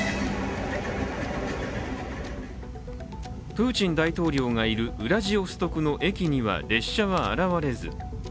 プーチン大統領がいるウラジオストクの駅には列車は現れず。